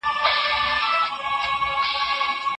سره جمع به رندان وي ته به یې او زه به نه یم